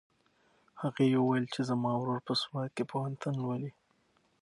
هغې وویل چې زما ورور په سوات کې پوهنتون لولي.